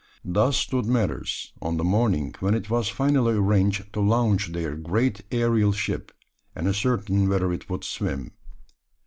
Thus stood matters on the morning when it was finally arranged to launch their great aerial ship, and ascertain whether it would swim.